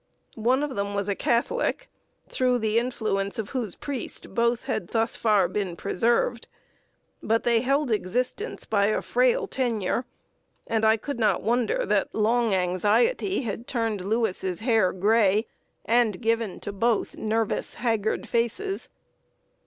One of them was a Catholic, through the influence of whose priest both had thus far been preserved. But they held existence by a frail tenure, and I could not wonder that long anxiety had turned Lewis's hair gray, and given to both nervous, haggard faces.